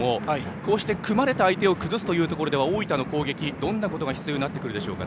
こうして組まれた相手を崩すというところでは大分の攻撃、どんなところが必要になってきますか？